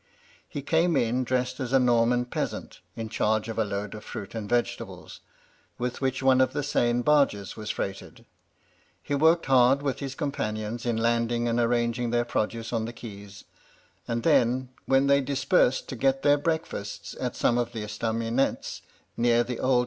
He came in dressed as a Norman peasant, in charge of a load of fruit and vegetables, with which one of the Seine barges was freighted. He worked hard with his companions in landing and arranging their produce on the quays ; and then, when they dispersed to get their breakfasts at some of the estaminets near the old 134 MY LADY LUDLOW.